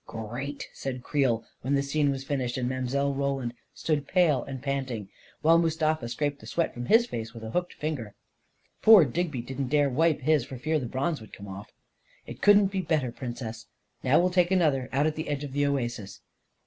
"Great!" said Creel, when the scene was fin ished, and Mile. Roland stood pale and panting, while Mustafa scraped the sweat from his face with a hooked finger. (Poor Digby didn't dare wipe his, for fear the bronze would come off I) " It couldn't be better, Princess. Now we'll take another, out at the edge of the oasis."